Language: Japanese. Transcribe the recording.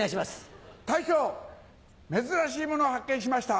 隊長珍しいものを発見しました。